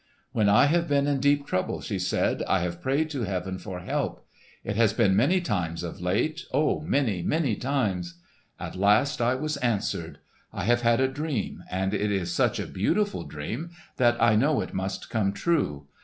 "When I have been in deep trouble," she said, "I have prayed to Heaven for help. It has been many times of late—O, many, many times! At last I was answered. I have had a dream, and it is such a beautiful dream that I know it must come true.